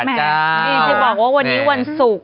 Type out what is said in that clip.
เมย์ดีจริงวันนี้วันศุกร์